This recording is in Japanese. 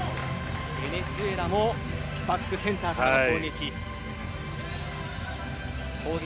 ベネズエラもバックセンターからの攻撃。